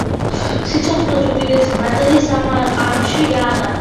სიცოცხლის უდიდესი ნაწილი სამარყანდში გაატარა.